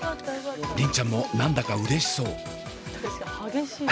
梨鈴ちゃんも何だかうれしそう。